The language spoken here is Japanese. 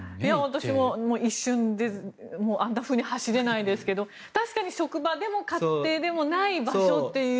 私も一瞬であんなふうに走れないですけど確かに職場でも家庭でもない場所という。